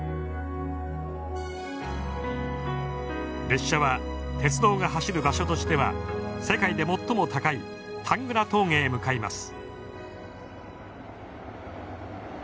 列車は鉄道が走る場所としては世界で最も高いタングラ峠へ向かいます。